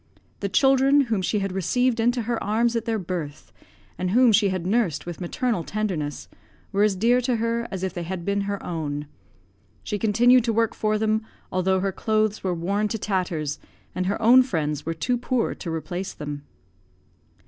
The children whom she had received into her arms at their birth, and whom she had nursed with maternal tenderness, were as dear to her as if they had been her own; she continued to work for them although her clothes were worn to tatters, and her own friends were too poor to replace them.